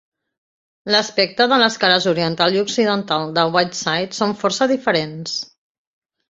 L'aspecte de les cares oriental i occidental de White Side són força diferents.